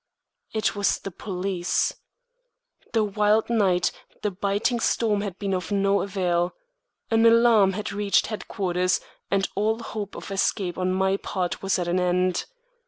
It was the police. The wild night, the biting storm had been of no avail. An alarm had reached headquarters, and all hope of escape on my part was at an end.